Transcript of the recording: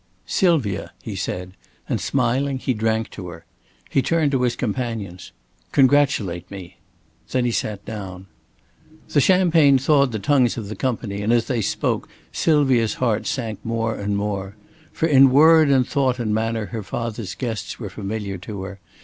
"Sylvia," he said, and, smiling, he drank to her. He turned to his companions. "Congratulate me!" Then he sat down. The champagne thawed the tongues of the company, and as they spoke Sylvia's heart sank more and more. For in word and thought and manner her father's guests were familiar to her.